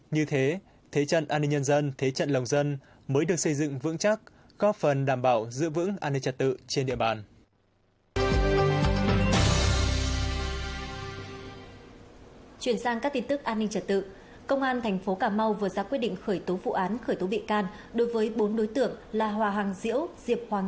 như thế thế trận an ninh nhân dân thế trận lòng dân mới được xây dựng vững chắc có phần đảm bảo giữ vững an ninh trật tự trên địa bàn